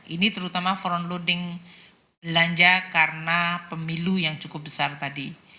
ini terutama front loading belanja karena pemilu yang cukup besar tadi